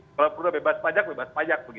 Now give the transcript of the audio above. kalau perlu bebas pajak bebas pajak